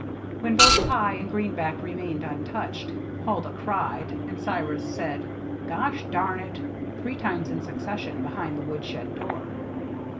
When both pie and greenback remained untouched, Huldah cried, and Cyrus said, "Gosh darn it!" three times in succession behind the woodshed door.